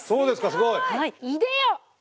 すごい。